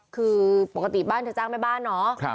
คือปกติบ้านเธอจ้างแม่บ้านเนาะ